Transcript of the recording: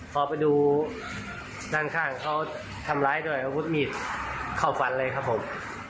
พอไปดูด้านข้างเขาทำร้ายด้วยอาวุธมีดเข้าฟันเลยครับผม